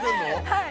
はい。